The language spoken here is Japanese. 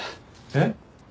えっ？